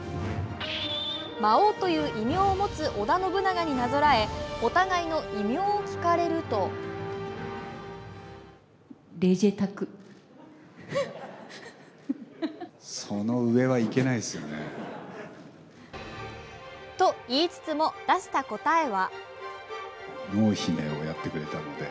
魔王という異名を持つ織田信長になぞらえ、お互いの異名を聞かれるとと言いつつも出した答えは。